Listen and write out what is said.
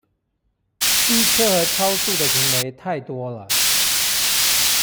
逼車和超速的行為太多了